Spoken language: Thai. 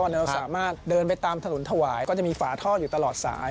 เราสามารถเดินไปตามถนนถวายก็จะมีฝาท่ออยู่ตลอดสาย